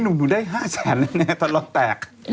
นุ่มหนูได้๕แสนแล้วแน่สำหรับกันแตก